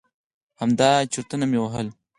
همدا چرتونه مې وهل.